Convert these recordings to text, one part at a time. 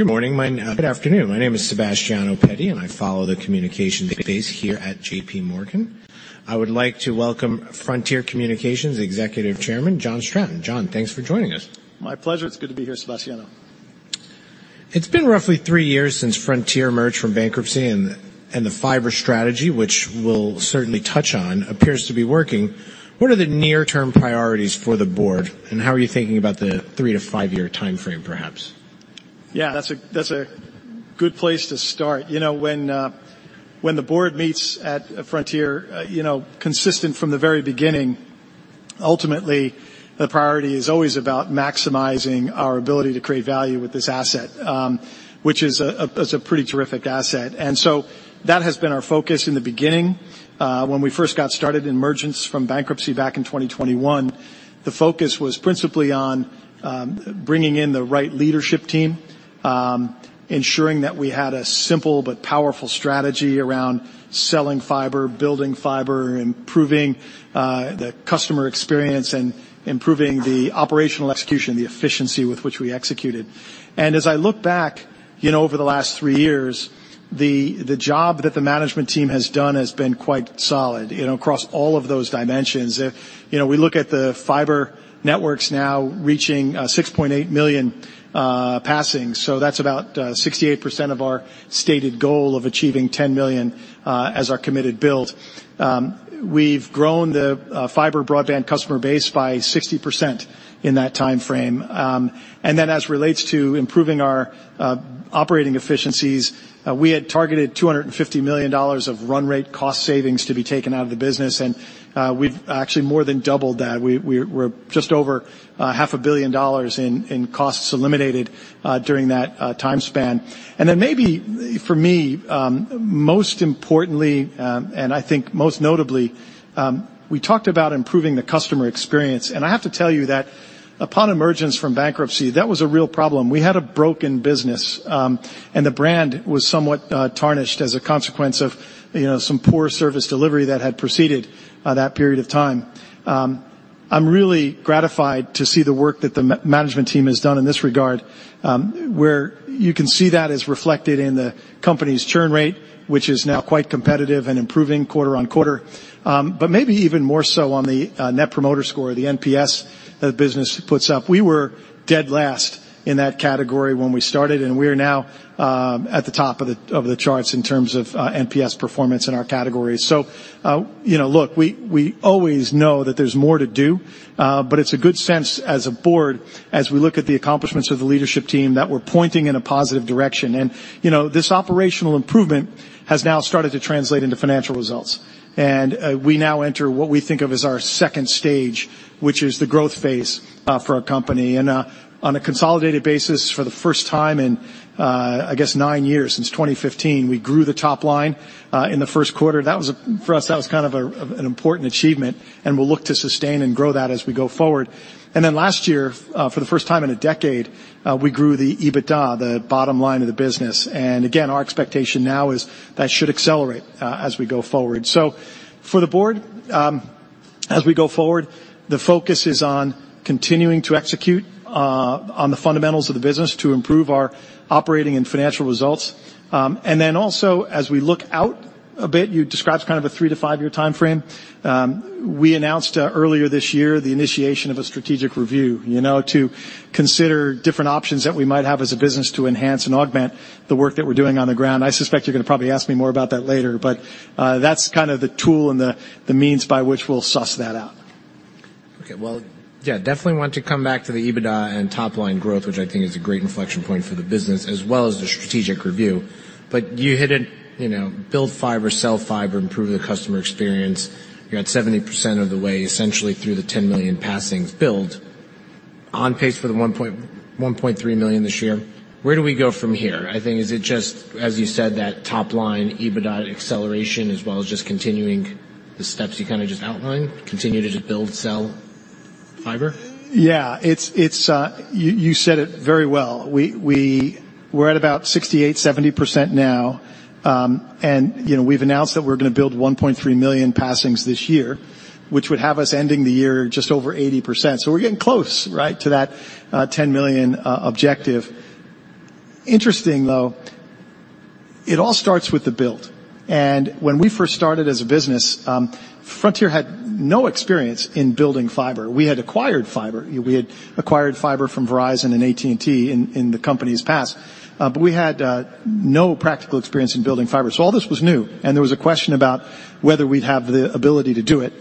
Good morning-- Good afternoon. My name is Sebastiano Petti, and I follow the communication space here at J.P. Morgan. I would like to welcome Frontier Communications Executive Chairman, John Stratton. John, thanks for joining us. My pleasure. It's good to be here, Sebastiano. It's been roughly three years since Frontier emerged from bankruptcy, and the fiber strategy, which we'll certainly touch on, appears to be working. What are the near-term priorities for the board, and how are you thinking about the three-to-five-year timeframe, perhaps? Yeah, that's a good place to start. You know, when the board meets at Frontier, you know, consistent from the very beginning, ultimately, the priority is always about maximizing our ability to create value with this asset, which is a pretty terrific asset. And so that has been our focus in the beginning. When we first got started in emergence from bankruptcy back in 2021, the focus was principally on bringing in the right leadership team, ensuring that we had a simple but powerful strategy around selling fiber, building fiber, improving the customer experience, and improving the operational execution, the efficiency with which we executed. And as I look back, you know, over the last three years, the job that the management team has done has been quite solid, you know, across all of those dimensions. If, you know, we look at the fiber networks now reaching 6.8 million passings, so that's about 68% of our stated goal of achieving 10 million as our committed build. We've grown the fiber broadband customer base by 60% in that time frame. And then as relates to improving our operating efficiencies, we had targeted $250 million of run rate cost savings to be taken out of the business, and we've actually more than doubled that. We're just over $500 million in costs eliminated during that time span. And then maybe for me, most importantly, and I think most notably, we talked about improving the customer experience, and I have to tell you that upon emergence from bankruptcy, that was a real problem. We had a broken business, and the brand was somewhat tarnished as a consequence of, you know, some poor service delivery that had preceded that period of time. I'm really gratified to see the work that the management team has done in this regard, where you can see that as reflected in the company's churn rate, which is now quite competitive and improving quarter on quarter. But maybe even more so on the net promoter score, the NPS, the business puts up. We were dead last in that category when we started, and we are now at the top of the charts in terms of NPS performance in our category. So, you know, look, we, we always know that there's more to do, but it's a good sense as a board, as we look at the accomplishments of the leadership team, that we're pointing in a positive direction. And, you know, this operational improvement has now started to translate into financial results. And, we now enter what we think of as our second stage, which is the growth phase, for our company. And, on a consolidated basis, for the first time in, I guess, nine years, since 2015, we grew the top line, in the first quarter. That was for us, that was kind of, a, an important achievement, and we'll look to sustain and grow that as we go forward. And then last year, for the first time in a decade, we grew the EBITDA, the bottom line of the business. And again, our expectation now is that should accelerate, as we go forward. So for the board, as we go forward, the focus is on continuing to execute, on the fundamentals of the business to improve our operating and financial results. And then also, as we look out a bit, you described kind of a 3-5-year timeframe. We announced, earlier this year, the initiation of a strategic review, you know, to consider different options that we might have as a business to enhance and augment the work that we're doing on the ground. I suspect you're gonna probably ask me more about that later, but that's kind of the tool and the means by which we'll suss that out. Okay, well, yeah, definitely want to come back to the EBITDA and top-line growth, which I think is a great inflection point for the business as well as the strategic review. But you hit it, you know, build fiber, sell fiber, improve the customer experience. You're at 70% of the way, essentially, through the 10 million passings build, on pace for the 1.1-1.3 million this year. Where do we go from here? I think is it just, as you said, that top-line EBITDA acceleration, as well as just continuing the steps you kinda just outlined, continue to just build, sell fiber? Yeah, you said it very well. We're at about 68%-70% now. And you know, we've announced that we're going to build 1.3 million passings this year, which would have us ending the year just over 80%. So we're getting close, right, to that 10 million objective. Interesting, though, it all starts with the build. When we first started as a business, Frontier had no experience in building fiber. We had acquired fiber. We had acquired fiber from Verizon and AT&T in the company's past, but we had no practical experience in building fiber. So all this was new, and there was a question about whether we'd have the ability to do it.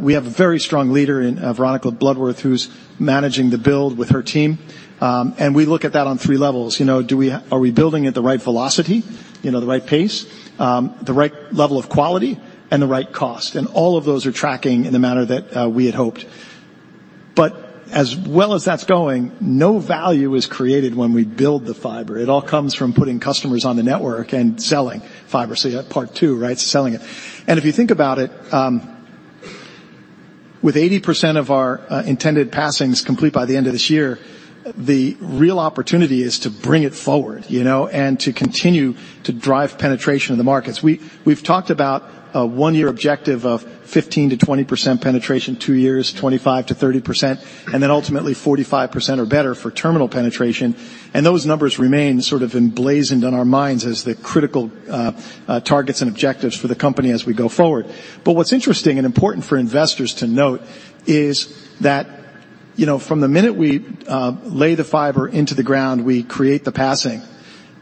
We have a very strong leader in Veronica Bloodworth, who's managing the build with her team. And we look at that on three levels. You know, are we building at the right velocity, you know, the right pace, the right level of quality, and the right cost? And all of those are tracking in the manner that we had hoped. But as well as that's going, no value is created when we build the fiber. It all comes from putting customers on the network and selling fiber. So part two, right, selling it. And if you think about it, with 80% of our intended passings complete by the end of this year, the real opportunity is to bring it forward, you know, and to continue to drive penetration in the markets. We've talked about a one-year objective of 15%-20% penetration, two years, 25%-30%, and then ultimately 45% or better for terminal penetration. And those numbers remain sort of emblazoned on our minds as the critical targets and objectives for the company as we go forward. But what's interesting and important for investors to note is that, you know, from the minute we lay the fiber into the ground, we create the passing.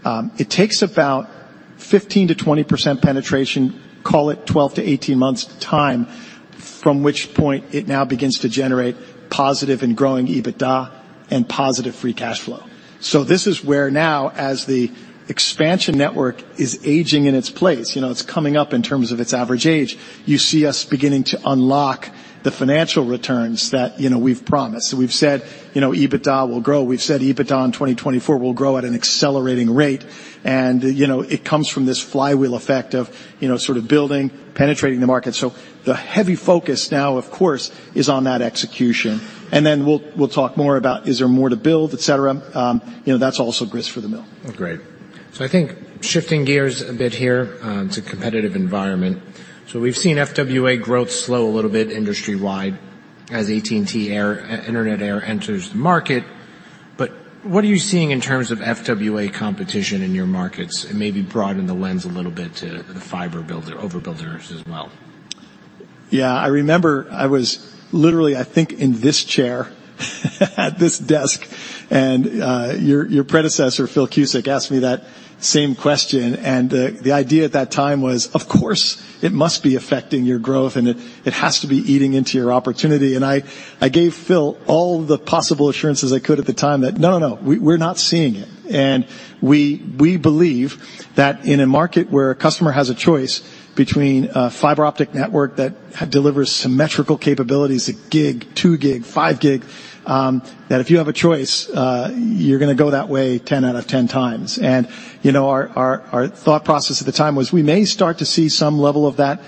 It takes about 15%-20% penetration, call it 12-18 months time, from which point it now begins to generate positive and growing EBITDA and positive free cash flow. So this is where now, as the expansion network is aging in its place, you know, it's coming up in terms of its average age, you see us beginning to unlock the financial returns that, you know, we've promised. So we've said, you know, EBITDA will grow. We've said EBITDA in 2024 will grow at an accelerating rate, and, you know, it comes from this flywheel effect of, you know, sort of building, penetrating the market. So the heavy focus now, of course, is on that execution. And then we'll talk more about is there more to build, et cetera? You know, that's also grist for the mill. Great. So I think shifting gears a bit here, it's a competitive environment. So we've seen FWA growth slow a little bit industry-wide as AT&T Air, Internet Air enters the market. But what are you seeing in terms of FWA competition in your markets? And maybe broaden the lens a little bit to the fiber builder, overbuilders as well. Yeah, I remember I was literally, I think, in this chair, at this desk, and, your predecessor, Phil Cusick, asked me that same question, and the idea at that time was, of course, it must be affecting your growth and it has to be eating into your opportunity. And I gave Phil all the possible assurances I could at the time that, "No, no, we're not seeing it." And we believe that in a market where a customer has a choice between a fiber optic network that delivers symmetrical capabilities, a gig, 2 gig, 5 gig, that if you have a choice, you're gonna go that way 10 out of 10 times. And, you know, our thought process at the time was we may start to see some level of that,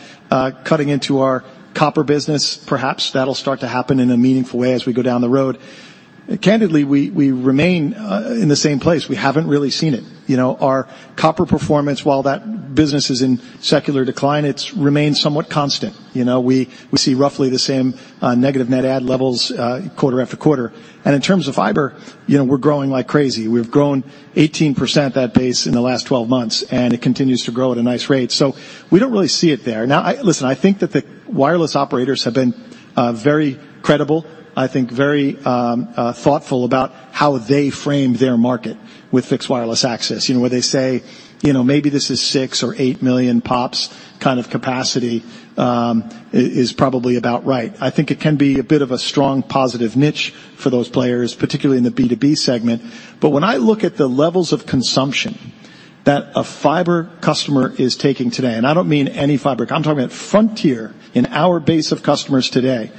cutting into our copper business. Perhaps that'll start to happen in a meaningful way as we go down the road. Candidly, we remain in the same place. We haven't really seen it. You know, our copper performance, while that business is in secular decline, it's remained somewhat constant. You know, we see roughly the same negative net add levels quarter after quarter. And in terms of fiber, you know, we're growing like crazy. We've grown 18% at that pace in the last 12 months, and it continues to grow at a nice rate. So we don't really see it there. Now, listen, I think that the wireless operators have been very credible, I think very thoughtful about how they frame their market with fixed wireless access. You know, where they say, you know, maybe this is 6 or 8 million pops kind of capacity, is probably about right. I think it can be a bit of a strong positive niche for those players, particularly in the B2B segment. But when I look at the levels of consumption that a fiber customer is taking today, and I don't mean any fiber, I'm talking about Frontier, in our base of customers today,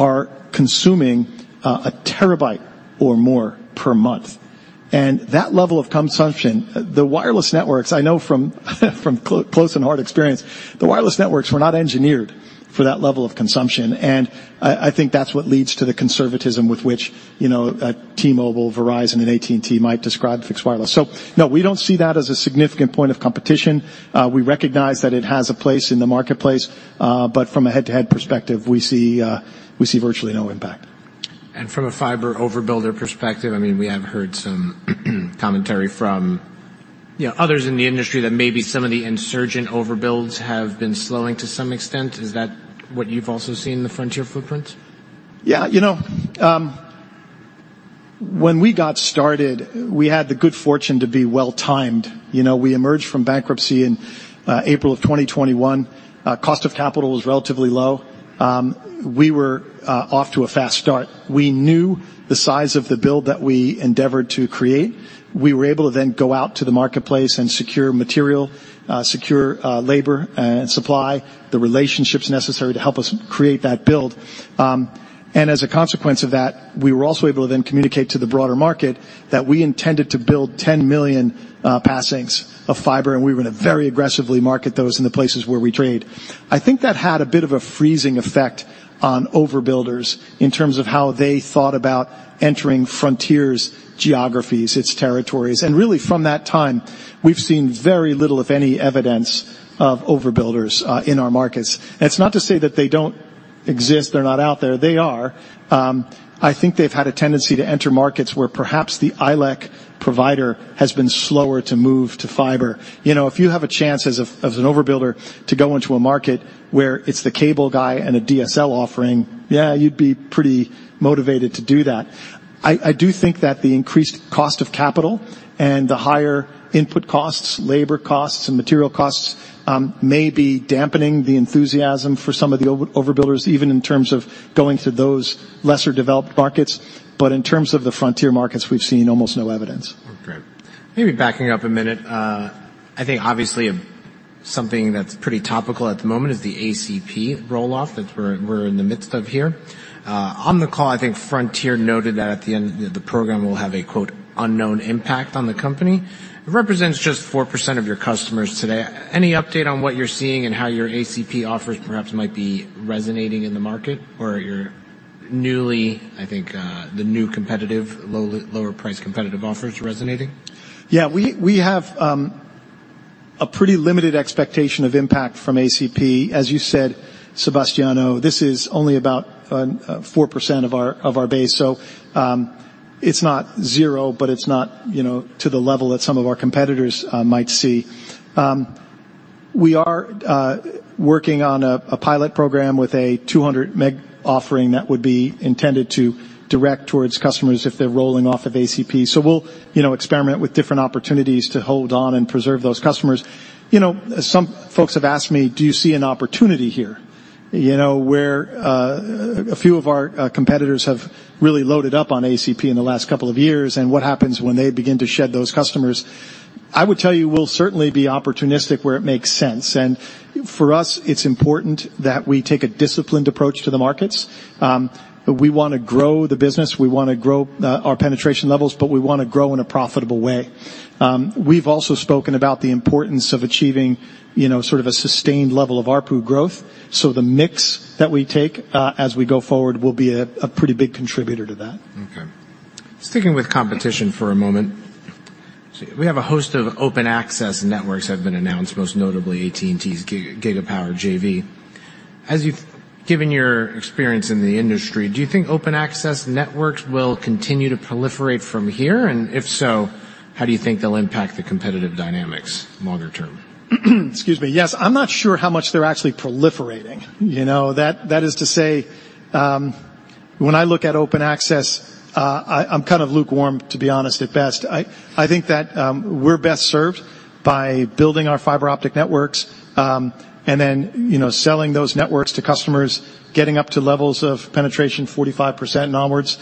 are consuming a terabyte or more per month. And that level of consumption, the wireless networks I know from close and hard experience, the wireless networks were not engineered for that level of consumption. And I think that's what leads to the conservatism with which, you know, T-Mobile, Verizon, and AT&T might describe fixed wireless. So no, we don't see that as a significant point of competition. We recognize that it has a place in the marketplace, but from a head-to-head perspective, we see, we see virtually no impact. From a fiber overbuilder perspective, I mean, we have heard some commentary from, you know, others in the industry that maybe some of the insurgent overbuilds have been slowing to some extent. Is that what you've also seen in the Frontier footprint? Yeah, you know, when we got started, we had the good fortune to be well-timed. You know, we emerged from bankruptcy in April 2021. Cost of capital was relatively low. We were off to a fast start. We knew the size of the build that we endeavored to create. We were able to then go out to the marketplace and secure material, secure labor, and supply the relationships necessary to help us create that build. And as a consequence of that, we were also able to then communicate to the broader market that we intended to build 10 million passings of fiber, and we were gonna very aggressively market those in the places where we trade. I think that had a bit of a freezing effect on overbuilders in terms of how they thought about entering Frontier's geographies, its territories. Really, from that time, we've seen very little, if any, evidence of overbuilders in our markets. It's not to say that they don't exist, they're not out there. They are. I think they've had a tendency to enter markets where perhaps the ILEC provider has been slower to move to fiber. You know, if you have a chance as a, as an overbuilder to go into a market where it's the cable guy and a DSL offering, yeah, you'd be pretty motivated to do that. I do think that the increased cost of capital and the higher input costs, labor costs and material costs, may be dampening the enthusiasm for some of the overbuilders, even in terms of going to those lesser-developed markets. But in terms of the Frontier markets, we've seen almost no evidence. Okay. Maybe backing up a minute, I think obviously something that's pretty topical at the moment is the ACP roll-off that we're in the midst of here. On the call, I think Frontier noted that at the end, the program will have a, quote, "unknown impact on the company." It represents just 4% of your customers today. Any update on what you're seeing and how your ACP offers perhaps might be resonating in the market or your newly, I think, the new competitive, lower price competitive offers resonating? Yeah, we have a pretty limited expectation of impact from ACP. As you said, Sebastiano, this is only about 4% of our base. So, it's not zero, but it's not, you know, to the level that some of our competitors might see. We are working on a pilot program with a 200 meg offering that would be intended to direct towards customers if they're rolling off of ACP. So we'll, you know, experiment with different opportunities to hold on and preserve those customers. You know, some folks have asked me: Do you see an opportunity here? You know, where a few of our competitors have really loaded up on ACP in the last couple of years, and what happens when they begin to shed those customers? I would tell you we'll certainly be opportunistic where it makes sense, and for us, it's important that we take a disciplined approach to the markets. We wanna grow the business, we wanna grow our penetration levels, but we wanna grow in a profitable way. We've also spoken about the importance of achieving, you know, sort of a sustained level of ARPU growth. So the mix that we take as we go forward will be a pretty big contributor to that. Okay. Sticking with competition for a moment, so we have a host of open access networks have been announced, most notably AT&T's Gigapower JV. As you've given your experience in the industry, do you think open access networks will continue to proliferate from here? And if so, how do you think they'll impact the competitive dynamics longer term? Excuse me. Yes, I'm not sure how much they're actually proliferating. You know, that is to say, when I look at open access, I'm kind of lukewarm, to be honest, at best. I think that we're best served by building our fiber optic networks, and then, you know, selling those networks to customers, getting up to levels of penetration 45% and onwards,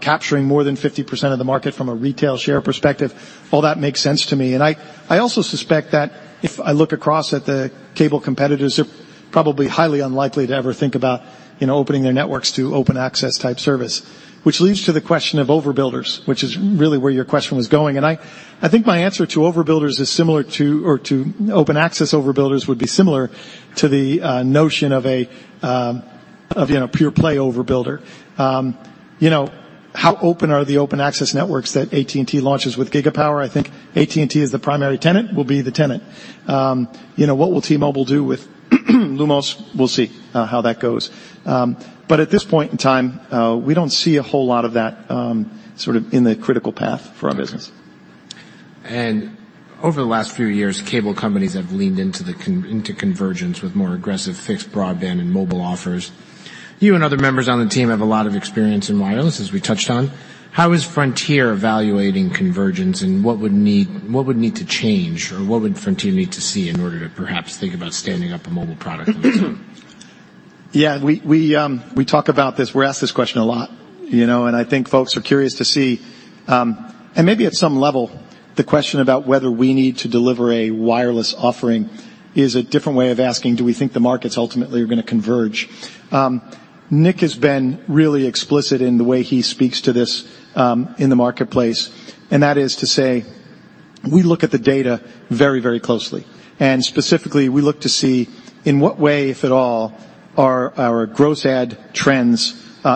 capturing more than 50% of the market from a retail share perspective. All that makes sense to me. I also suspect that if I look across at the cable competitors, they're probably highly unlikely to ever think about, you know, opening their networks to open access type service, which leads to the question of overbuilders, which is really where your question was going. I think my answer to overbuilders is similar to... or to open access overbuilders would be similar to the notion of a you know pure-play overbuilder. You know, how open are the open access networks that AT&T launches with Gigapower? I think AT&T is the primary tenant, will be the tenant. You know, what will T-Mobile do with Lumos? We'll see, how that goes. But at this point in time, we don't see a whole lot of that sort of in the critical path for our business. Over the last few years, cable companies have leaned into convergence with more aggressive fixed broadband and mobile offers. You and other members on the team have a lot of experience in wireless, as we touched on. How is Frontier evaluating convergence, and what would need to change, or what would Frontier need to see in order to perhaps think about standing up a mobile product of its own? Yeah, we talk about this. We're asked this question a lot, you know, and I think folks are curious to see, and maybe at some level, the question about whether we need to deliver a wireless offering is a different way of asking, do we think the markets ultimately are gonna converge? Nick has been really explicit in the way he speaks to this, in the marketplace, and that is to say, we look at the data very, very closely, and specifically, we look to see in what way, if at all, are our gross add trends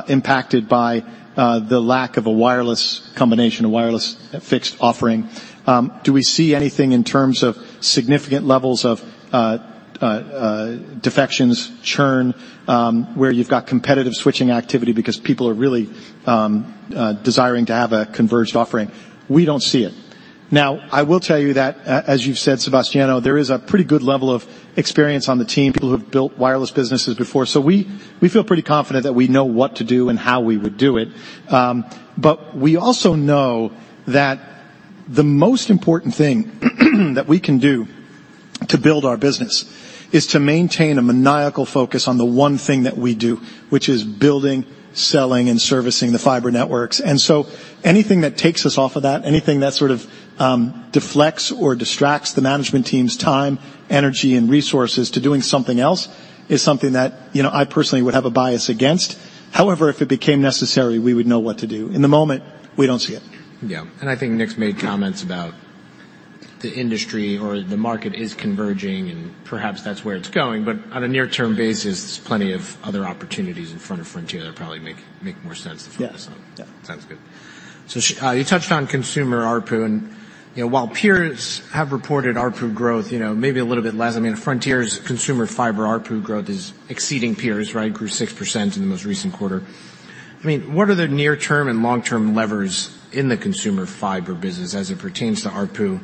impacted by the lack of a wireless combination, a wireless fixed offering? Do we see anything in terms of significant levels of defections, churn, where you've got competitive switching activity because people are really desiring to have a converged offering? We don't see it. Now, I will tell you that, as you've said, Sebastiano, there is a pretty good level of experience on the team, people who have built wireless businesses before. So we feel pretty confident that we know what to do and how we would do it. But we also know that the most important thing that we can do to build our business is to maintain a maniacal focus on the one thing that we do, which is building, selling, and servicing the fiber networks. And so anything that takes us off of that, anything that sort of, deflects or distracts the management team's time, energy, and resources to doing something else, is something that, you know, I personally would have a bias against. However, if it became necessary, we would know what to do. In the moment, we don't see it. Yeah, and I think Nick's made comments about the industry or the market is converging, and perhaps that's where it's going. But on a near-term basis, there's plenty of other opportunities in front of Frontier that probably make more sense to focus on. Yeah. Sounds good. So, you touched on consumer ARPU, and, you know, while peers have reported ARPU growth, you know, maybe a little bit less, I mean, Frontier's consumer fiber ARPU growth is exceeding peers, right? It grew 6% in the most recent quarter. I mean, what are the near-term and long-term levers in the consumer fiber business as it pertains to ARPU?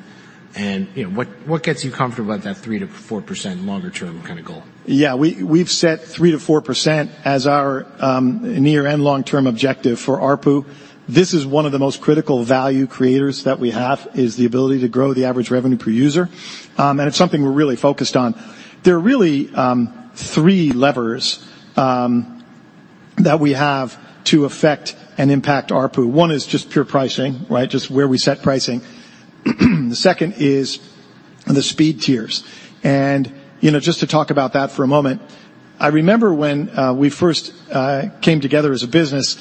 And, you know, what gets you comfortable about that 3%-4% longer term kind of goal? Yeah, we've set 3%-4% as our near and long-term objective for ARPU. This is one of the most critical value creators that we have, is the ability to grow the average revenue per user. And it's something we're really focused on. There are really three levers that we have to affect and impact ARPU. One is just pure pricing, right? Just where we set pricing. The second is the speed tiers. And, you know, just to talk about that for a moment, I remember when we first came together as a business,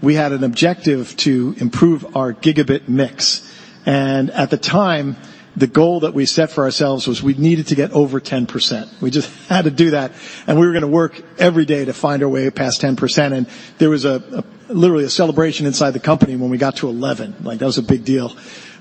we had an objective to improve our gigabit mix. And at the time, the goal that we set for ourselves was we needed to get over 10%. We just had to do that, and we were gonna work every day to find our way past 10%, and there was literally a celebration inside the company when we got to 11%. Like, that was a big deal.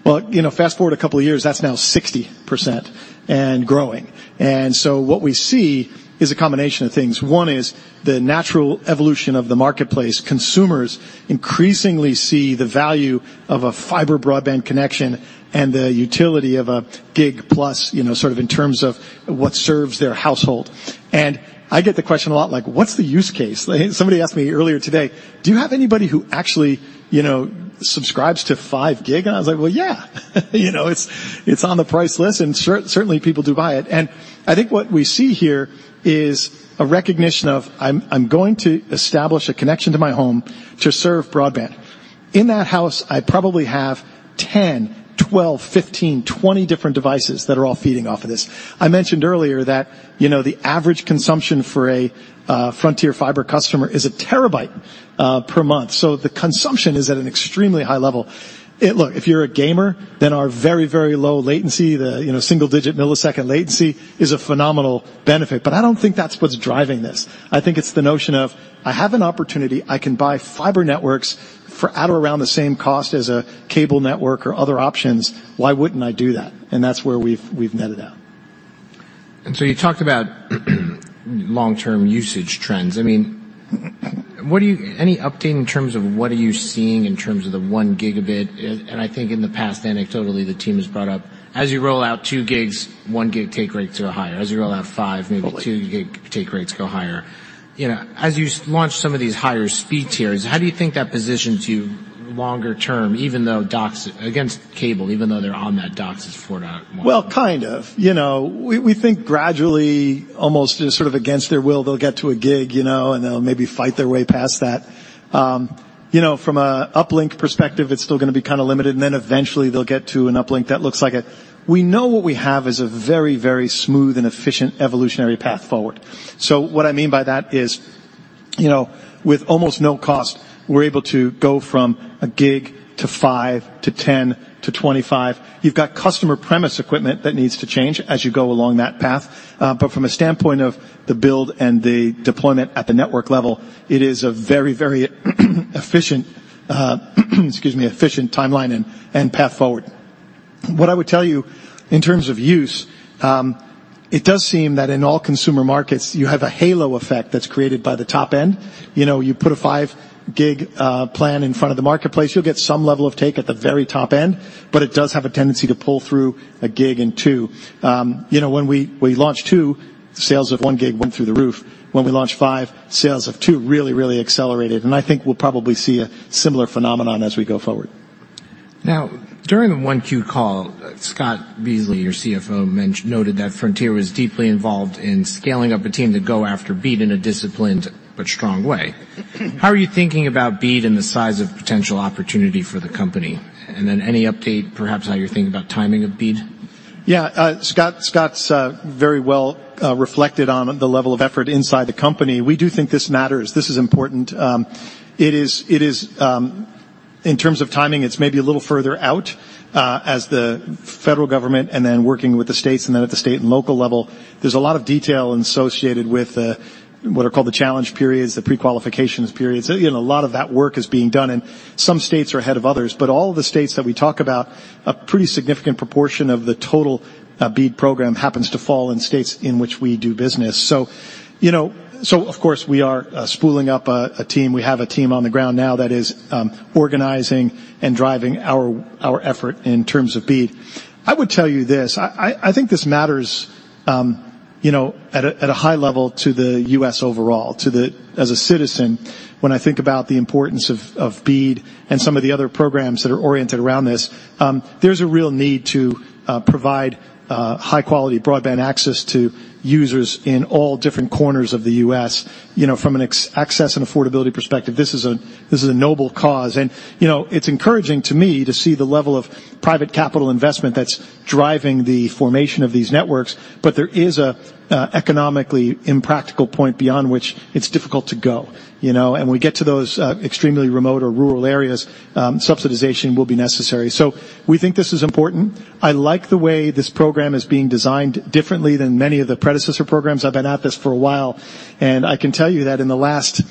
But, you know, fast-forward a couple of years, that's now 60% and growing. And so what we see is a combination of things. One is the natural evolution of the marketplace. Consumers increasingly see the value of a fiber broadband connection and the utility of a Gig plus, you know, sort of in terms of what serves their household. And I get the question a lot, like, "What's the use case?" Somebody asked me earlier today: "Do you have anybody who actually, you know, subscribes to 5 Gig? I was like: "Well, yeah, you know, it's on the price list, and certainly people do buy it." I think what we see here is a recognition of I'm going to establish a connection to my home to serve broadband. In that house, I probably have 10, 12, 15, 20 different devices that are all feeding off of this. I mentioned earlier that, you know, the average consumption for a Frontier fiber customer is a terabyte per month, so the consumption is at an extremely high level. It. Look, if you're a gamer, then our very, very low latency, the, you know, single-digit millisecond latency is a phenomenal benefit, but I don't think that's what's driving this. I think it's the notion of, I have an opportunity. I can buy fiber networks for at or around the same cost as a cable network or other options. Why wouldn't I do that? And that's where we've netted out. So you talked about long-term usage trends. I mean, any update in terms of what are you seeing in terms of the one gigabit? And I think in the past, anecdotally, the team has brought up, as you roll out two gigs, one gig take rates are higher. As you roll out five- Totally Maybe 2 Gig take rates go higher. You know, as you launch some of these higher speed tiers, how do you think that positions you longer term, even though DOCSIS against cable, even though they're on that DOCSIS 4.1? Well, kind of. You know, we think gradually, almost as sort of against their will, they'll get to a gig, you know, and they'll maybe fight their way past that. You know, from an uplink perspective, it's still gonna be kind of limited, and then eventually they'll get to an uplink that looks like it. We know what we have is a very, very smooth and efficient evolutionary path forward. So what I mean by that is, you know, with almost no cost, we're able to go from a gig to 5 to 10 to 25. You've got customer premise equipment that needs to change as you go along that path, but from a standpoint of the build and the deployment at the network level, it is a very, very efficient timeline and path forward. What I would tell you in terms of use, it does seem that in all consumer markets, you have a halo effect that's created by the top end. You know, you put a 5 Gig, plan in front of the marketplace, you'll get some level of take at the very top end, but it does have a tendency to pull through a 1 Gig and 2. You know, when we launched 2, sales of 1 Gig went through the roof. When we launched 5, sales of 2 really, really accelerated, and I think we'll probably see a similar phenomenon as we go forward. Now, during the 1Q call, Scott Beasley, your CFO, mentioned, noted that Frontier was deeply involved in scaling up a team to go after BEAD in a disciplined but strong way. How are you thinking about BEAD and the size of potential opportunity for the company? And then any update, perhaps, how you're thinking about timing of BEAD? Yeah, Scott, Scott's very well reflected on the level of effort inside the company. We do think this matters. This is important. It is in terms of timing, it's maybe a little further out, as the federal government and then working with the states and then at the state and local level. There's a lot of detail associated with what are called the challenge periods, the prequalification periods. You know, a lot of that work is being done, and some states are ahead of others, but all the states that we talk about, a pretty significant proportion of the total BEAD program happens to fall in states in which we do business. So, you know, so of course, we are spooling up a team. We have a team on the ground now that is organizing and driving our effort in terms of BEAD. I would tell you this. I think this matters, you know, at a high level to the U.S. overall, as a citizen, when I think about the importance of BEAD and some of the other programs that are oriented around this. There's a real need to provide high-quality broadband access to users in all different corners of the U.S. You know, from an access and affordability perspective, this is a noble cause. And, you know, it's encouraging to me to see the level of private capital investment that's driving the formation of these networks, but there is an economically impractical point beyond which it's difficult to go, you know? We get to those extremely remote or rural areas, subsidization will be necessary. So we think this is important. I like the way this program is being designed differently than many of the predecessor programs. I've been at this for a while, and I can tell you that in the last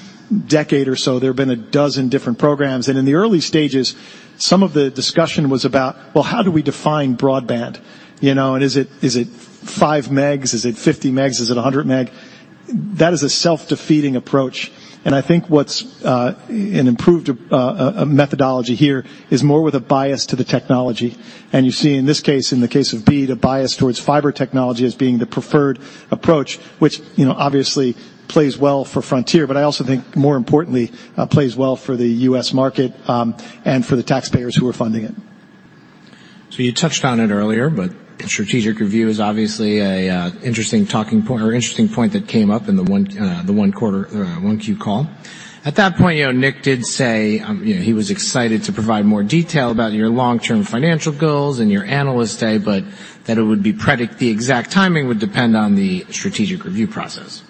decade or so, there have been a dozen different programs. In the early stages, some of the discussion was about, well, how do we define broadband? You know, and is it 5 megs? Is it 50 megs? Is it 100 meg? That is a self-defeating approach, and I think what's an improved methodology here is more with a bias to the technology. You see, in this case, in the case of BEAD, a bias towards fiber technology as being the preferred approach, which, you know, obviously plays well for Frontier, but I also think more importantly, plays well for the U.S. market, and for the taxpayers who are funding it. So you touched on it earlier, but strategic review is obviously an interesting talking point or interesting point that came up in the 1Q call. At that point, you know, Nick did say, you know, he was excited to provide more detail about your long-term financial goals and your analyst day, but that it would be predictable, the exact timing would depend on the strategic review process.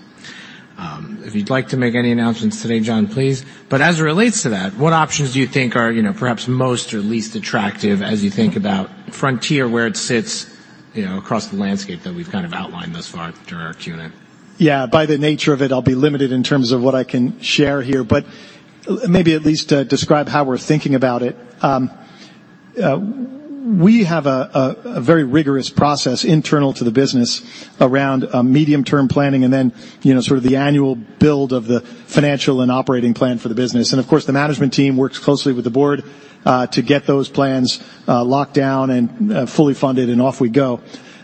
If you'd like to make any announcements today, John, please. But as it relates to that, what options do you think are, you know, perhaps most or least attractive as you think about Frontier, where it sits, you know, across the landscape that we've kind of outlined thus far during our Q&A? Yeah, by the nature of it, I'll be limited in terms of what I can share here, but maybe at least describe how we're thinking about it. We have a very rigorous process internal to the business around medium-term planning and then, you know, sort of the annual build of the financial and operating plan for the business. And of course, the management team works closely with the board to get those plans locked down and fully funded, and off we go.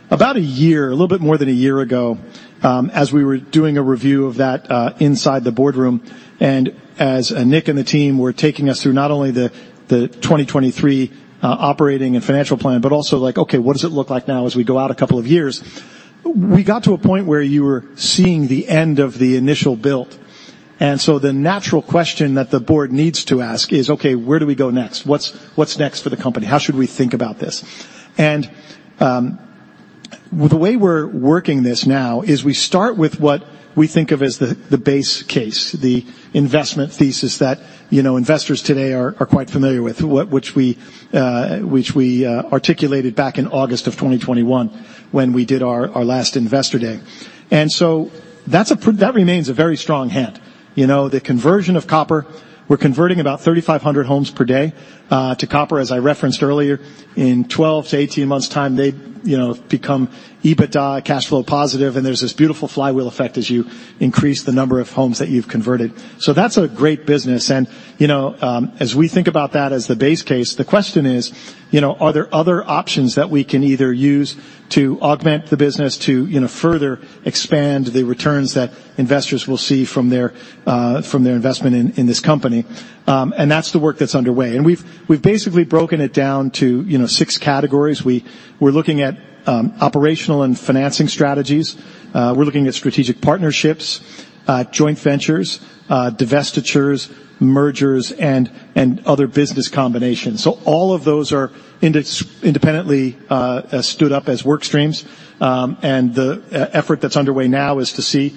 About a year, a little bit more than a year ago, as we were doing a review of that, inside the boardroom, and as Nick and the team were taking us through not only the 2023 operating and financial plan, but also like, okay, what does it look like now as we go out a couple of years? We got to a point where you were seeing the end of the initial build. And so the natural question that the board needs to ask is: Okay, where do we go next? What's next for the company? How should we think about this? And, the way we're working this now is we start with what we think of as the base case, the investment thesis that, you know, investors today are quite familiar with, which we articulated back in August of 2021 when we did our last Investor Day. And so that's a that remains a very strong hand. You know, the conversion of copper, we're converting about 3,500 homes per day to copper, as I referenced earlier. In 12-18 months' time, they, you know, become EBITDA cash flow positive, and there's this beautiful flywheel effect as you increase the number of homes that you've converted. So that's a great business. You know, as we think about that as the base case, the question is, you know, are there other options that we can either use to augment the business to, you know, further expand the returns that investors will see from their, from their investment in, in this company? And that's the work that's underway. We've basically broken it down to, you know, six categories. We're looking at operational and financing strategies. We're looking at strategic partnerships, joint ventures, divestitures, mergers, and, and other business combinations. So all of those are independently stood up as work streams, and the effort that's underway now is to see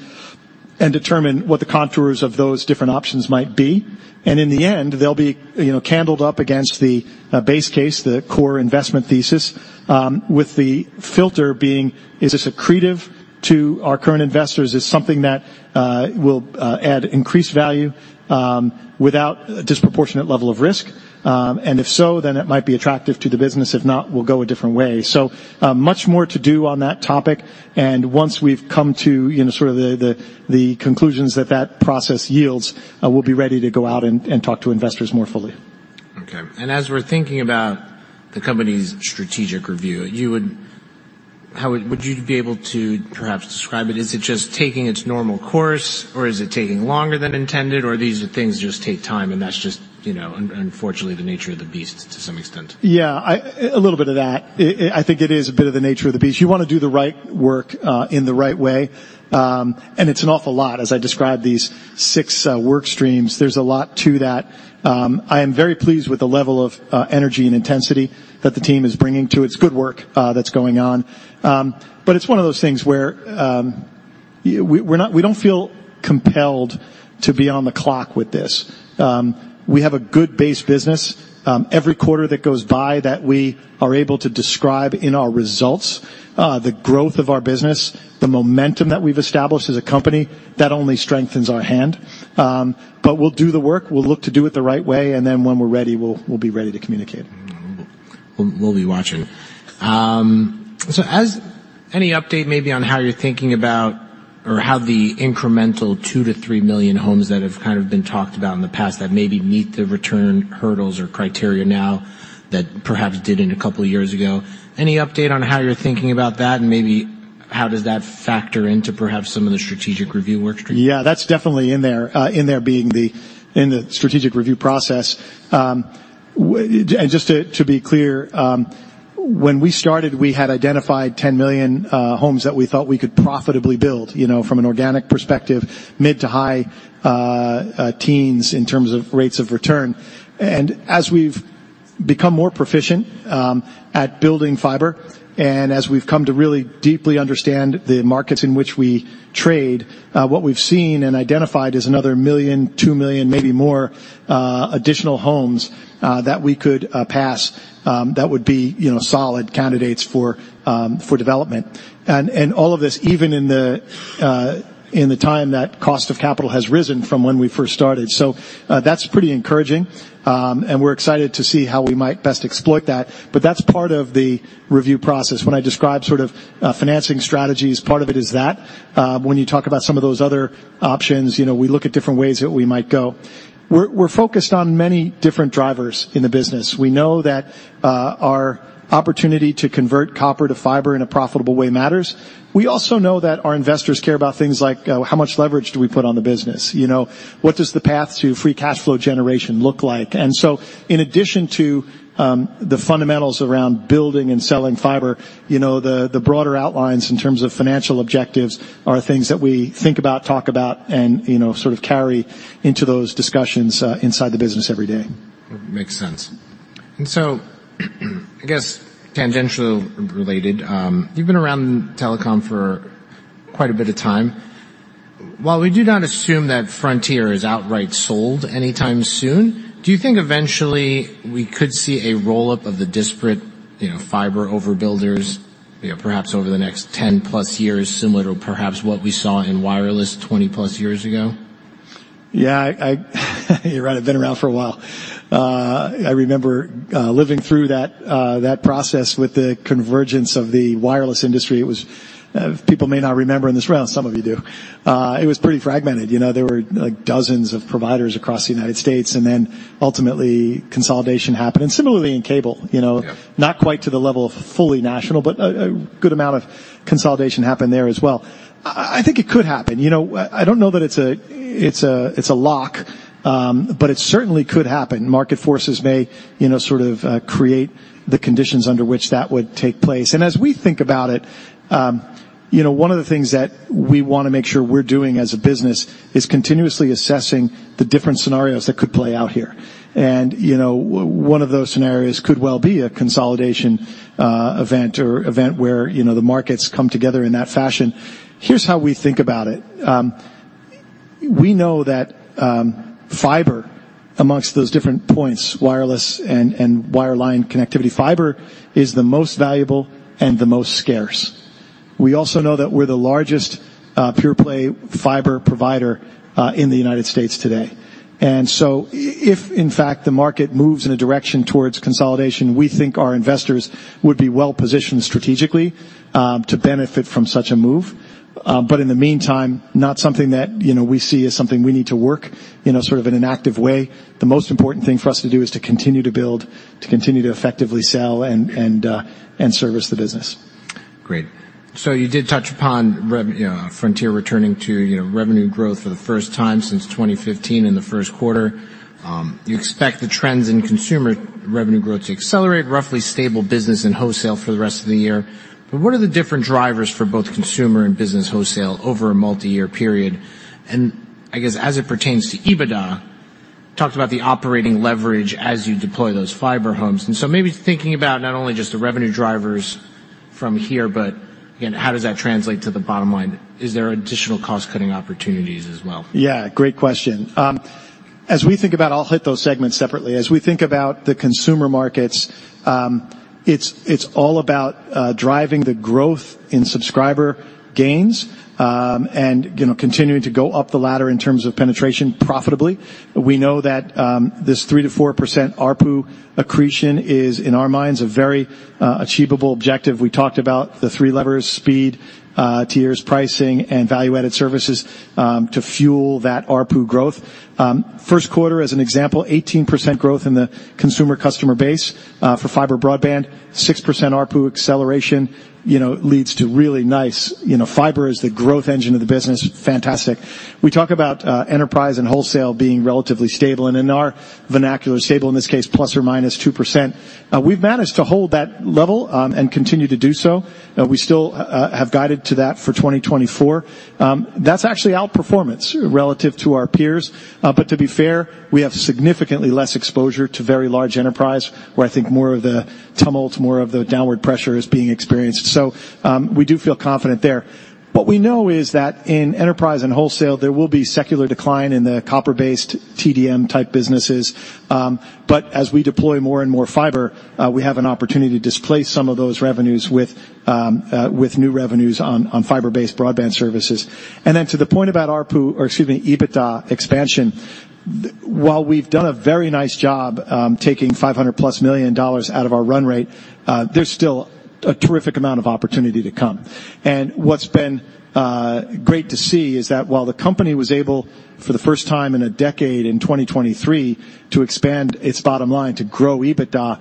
and determine what the contours of those different options might be. In the end, they'll be, you know, lined up against the base case, the core investment thesis, with the filter being, is this accretive to our current investors? Is something that will add increased value without a disproportionate level of risk? And if so, then it might be attractive to the business. If not, we'll go a different way. Much more to do on that topic, and once we've come to, you know, sort of the conclusions that that process yields, we'll be ready to go out and talk to investors more fully. Okay. And as we're thinking about the company's strategic review, how would you be able to perhaps describe it? Is it just taking its normal course, or is it taking longer than intended, or these are things just take time, and that's just, you know, unfortunately, the nature of the beast to some extent? Yeah, a little bit of that. I think it is a bit of the nature of the beast. You want to do the right work in the right way, and it's an awful lot. As I described these six work streams, there's a lot to that. I am very pleased with the level of energy and intensity that the team is bringing to it. It's good work that's going on. But it's one of those things where we don't feel compelled to be on the clock with this. We have a good base business. Every quarter that goes by that we are able to describe in our results, the growth of our business, the momentum that we've established as a company, that only strengthens our hand. But we'll do the work. We'll look to do it the right way, and then when we're ready, we'll be ready to communicate. We'll be watching. So, any update maybe on how you're thinking about or how the incremental 2-3 million homes that have kind of been talked about in the past that maybe meet the return hurdles or criteria now that perhaps didn't a couple of years ago? Any update on how you're thinking about that, and maybe how does that factor into perhaps some of the strategic review workstream? Yeah, that's definitely in there, in the strategic review process. And just to be clear, when we started, we had identified 10 million homes that we thought we could profitably build, you know, from an organic perspective, mid- to high-teens in terms of rates of return. And as we've become more proficient at building fiber, and as we've come to really deeply understand the markets in which we trade, what we've seen and identified is another 1 million, 2 million, maybe more additional homes that we could pass that would be, you know, solid candidates for development. And all of this, even in the time that cost of capital has risen from when we first started. So, that's pretty encouraging, and we're excited to see how we might best exploit that. But that's part of the review process. When I describe sort of, financing strategies, part of it is that. When you talk about some of those other options, you know, we look at different ways that we might go. We're focused on many different drivers in the business. We know that, our opportunity to convert copper to fiber in a profitable way matters. We also know that our investors care about things like, how much leverage do we put on the business? You know, what does the path to free cash flow generation look like? And so, in addition to the fundamentals around building and selling fiber, you know, the broader outlines in terms of financial objectives are things that we think about, talk about, and, you know, sort of carry into those discussions inside the business every day. Makes sense. And so, I guess tangentially related, you've been around telecom for quite a bit of time. While we do not assume that Frontier is outright sold anytime soon, do you think eventually we could see a roll-up of the disparate, you know, fiber overbuilders, you know, perhaps over the next 10+ years, similar to perhaps what we saw in wireless 20+ years ago? Yeah, I, you're right, I've been around for a while. I remember living through that process with the convergence of the wireless industry. It was, people may not remember in this room, some of you do. It was pretty fragmented. You know, there were, like, dozens of providers across the United States, and then ultimately, consolidation happened, and similarly in cable, you know? Yeah. Not quite to the level of fully national, but a good amount of consolidation happened there as well. I think it could happen. You know, I don't know that it's a lock, but it certainly could happen. Market forces may, you know, sort of create the conditions under which that would take place. And as we think about it, you know, one of those scenarios could well be a consolidation event or event where, you know, the markets come together in that fashion. Here's how we think about it. We know that, fiber, amongst those different points, wireless and wireline connectivity, fiber is the most valuable and the most scarce. We also know that we're the largest pure play fiber provider in the United States today. And so if, in fact, the market moves in a direction towards consolidation, we think our investors would be well-positioned strategically to benefit from such a move. But in the meantime, not something that, you know, we see as something we need to work, you know, sort of in an active way. The most important thing for us to do is to continue to build, to continue to effectively sell, and service the business. Great. So you did touch upon, you know, Frontier returning to, you know, revenue growth for the first time since 2015 in the first quarter. You expect the trends in consumer revenue growth to accelerate, roughly stable business and wholesale for the rest of the year. But what are the different drivers for both consumer and business wholesale over a multi-year period? And I guess as it pertains to EBITDA, talked about the operating leverage as you deploy those fiber homes, and so maybe thinking about not only just the revenue drivers from here, but, again, how does that translate to the bottom line? Is there additional cost-cutting opportunities as well? Yeah, great question. As we think about... I'll hit those segments separately. As we think about the consumer markets, it's all about driving the growth in subscriber gains, and, you know, continuing to go up the ladder in terms of penetration profitably. We know that this 3%-4% ARPU accretion is, in our minds, a very achievable objective. We talked about the three levers: speed, tiers, pricing, and value-added services to fuel that ARPU growth. First quarter, as an example, 18% growth in the consumer customer base for fiber broadband, 6% ARPU acceleration, you know, leads to really nice... You know, fiber is the growth engine of the business. Fantastic. We talk about enterprise and wholesale being relatively stable, and in our vernacular, stable, in this case, ±2%. We've managed to hold that level, and continue to do so. We still have guided to that for 2024. That's actually outperformance relative to our peers. But to be fair, we have significantly less exposure to very large enterprise, where I think more of the tumult, more of the downward pressure is being experienced. So, we do feel confident there. What we know is that in enterprise and wholesale, there will be secular decline in the copper-based TDM-type businesses. But as we deploy more and more fiber, we have an opportunity to displace some of those revenues with new revenues on fiber-based broadband services. Then to the point about ARPU, or excuse me, EBITDA expansion, while we've done a very nice job, taking $500+ million out of our run rate, there's still a terrific amount of opportunity to come. And what's been great to see is that while the company was able, for the first time in a decade, in 2023, to expand its bottom line, to grow EBITDA,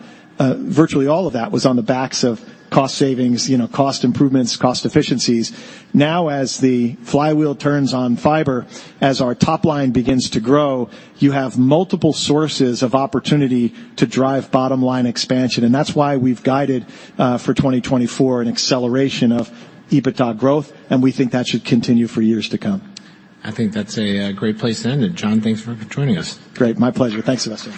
virtually all of that was on the backs of cost savings, you know, cost improvements, cost efficiencies. Now, as the flywheel turns on fiber, as our top line begins to grow, you have multiple sources of opportunity to drive bottom-line expansion, and that's why we've guided, for 2024 an acceleration of EBITDA growth, and we think that should continue for years to come. I think that's a great place to end it. John, thanks for joining us. Great. My pleasure. Thanks, Sebastian.